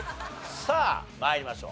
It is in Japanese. さあ参りましょう。